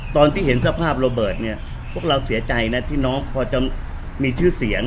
ตอนที่เห็นสภาพโรเบิร์ตเนี่ยพวกเราเสียใจนะที่น้องพอจะมีชื่อเสียง